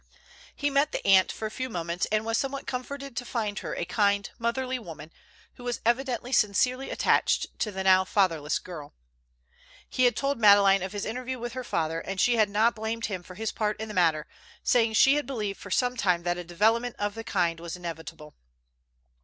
He met the aunt for a few moments, and was somewhat comforted to find her a kind, motherly woman, who was evidently sincerely attached to the now fatherless girl. He had told Madeleine of his interview with her father, and she had not blamed him for his part in the matter, saying that she had believed for some time that a development of the kind was inevitable.